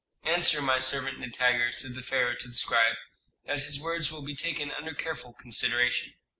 "Answer my servant Nitager," said the pharaoh to the scribe, "that his words will be taken under careful consideration.